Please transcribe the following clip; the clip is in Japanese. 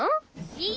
えっ？